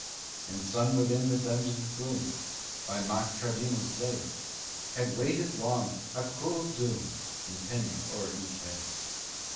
And some within the dungeon's gloom, By mock tribunals laid, Had waited long a cruel doom Impending o'er each head.